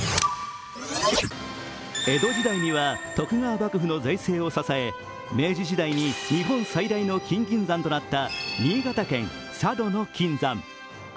江戸時代には徳川幕府の財政を支え明治時代に日本最大の金銀山となった新潟県佐渡島の金山。